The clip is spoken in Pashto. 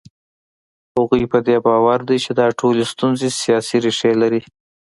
هغوی په دې باور دي چې دا ټولې ستونزې سیاسي ریښې لري.